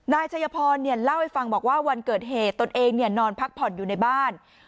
นายชัยพรเล่าให้ฟังบอกว่าวันเกิดเหตุตนเองนอนพักผ่อนอยู่ในบ้าน